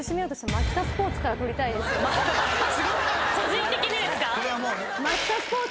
個人的にですか？